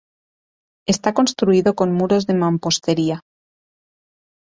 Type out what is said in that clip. Está construido con muros de mampostería.